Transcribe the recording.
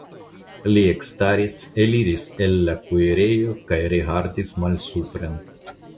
Li ekstaris, eliris el la kuirejo kaj rigardis malsupren.